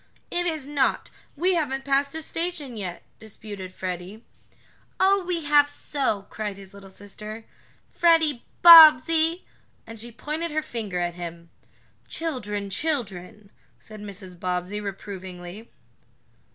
"It is not! We haven't passed a station yet," disputed Freddie. "Oh, we have so!" cried his little sister. "Freddie Bobbsey!" and she pointed her finger at him. "Children children," said Mrs. Bobbsey, reprovingly.